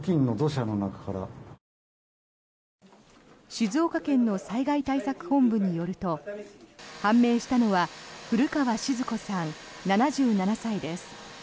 静岡県の災害対策本部によると判明したのは古川静子さん、７７歳です。